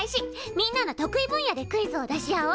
みんなの得意分野でクイズを出し合おう。